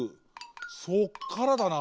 そっからだな。